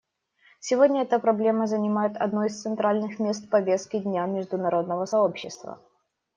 Сегодня эта проблема занимает одно из центральных мест в повестке дня международного сообщества.